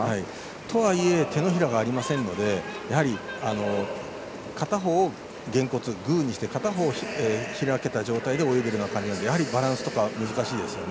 とはいえ手のひらがありませんので片方をげんこつ、グーにして片方を開いたような状態で泳いでるのでやはりバランスとかは難しいです。